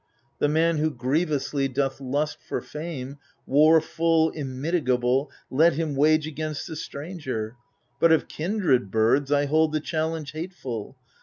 The man who grievously doth lust for fame, War, full, immitigable, let him wage Against the stranger ; but of kindred birds I hold the challenge hateful.